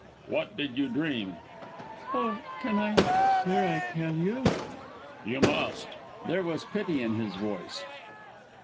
"What did you dream?" "Oh! can I, dare I tell you! " "You must." There was pity in his voice.